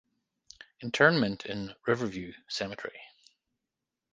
Interment in River View Cemetery.